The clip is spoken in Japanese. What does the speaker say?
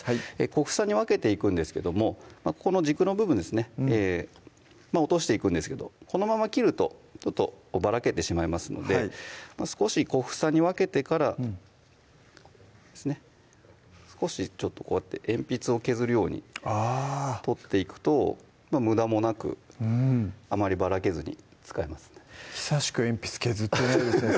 小房に分けていくんですけどもここの軸の部分ですね落としていくんですけどこのまま切るとちょっとばらけてしまいますので少し小房に分けてから少しちょっとこうやって鉛筆を削るようにあ取っていくとむだもなくあまりばらけずに使えますので久しく鉛筆削ってないですね